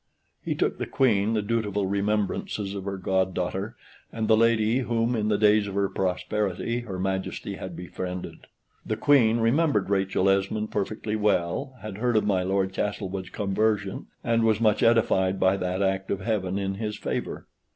He took the Queen the dutiful remembrances of her goddaughter, and the lady whom, in the days of her prosperity, her Majesty had befriended. The Queen remembered Rachel Esmond perfectly well, had heard of my Lord Castlewood's conversion, and was much edified by that act of heaven in his favor.